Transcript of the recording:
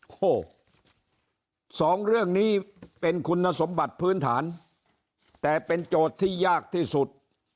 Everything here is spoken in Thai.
โอ้โหสองเรื่องนี้เป็นคุณสมบัติพื้นฐานแต่เป็นโจทย์ที่ยากที่สุด